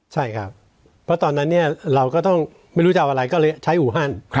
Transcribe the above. ใช่ครับเพราะตอนนั้นเนี่ยเราก็ต้องไม่รู้จะเอาอะไรก็เลยใช้อูฮัน